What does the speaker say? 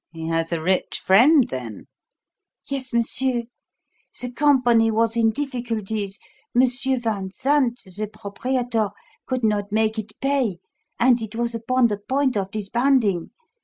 "He has a rich friend, then?" "Yes, monsieur. The company was in difficulties; Monsieur van Zant, the proprietor, could not make it pay, and it was upon the point of disbanding.